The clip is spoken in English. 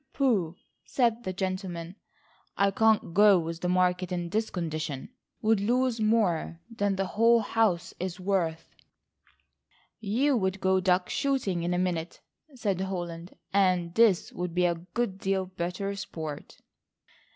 "Pooh," said that gentleman, "I can't go with the market in this condition,—would lose more than the whole house is worth." "You would go duck shooting in a minute," said Holland, "and this would be a good deal better sport."